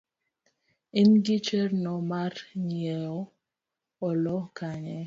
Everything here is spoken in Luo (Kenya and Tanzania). in gi chenro mar nyieo lowo Kanye?